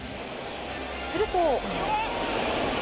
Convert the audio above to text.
すると。